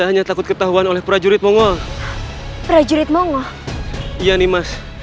kanda tidak bisa menghadapi rai kenterimanik